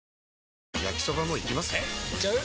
えいっちゃう？